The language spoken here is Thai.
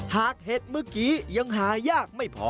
เห็ดเมื่อกี้ยังหายากไม่พอ